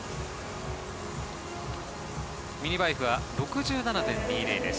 ミニバエフは６７．２０です。